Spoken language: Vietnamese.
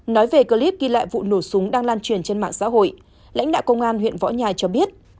nói về clip ghi lại vụ nổ súng đang lan truyền trên mạng xã hội lãnh đạo công an huyện võ nhai cho biết